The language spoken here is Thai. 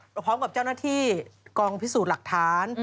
พร้อมกับเจ้าหน้าที่กองพิสูจน์หลักฐาน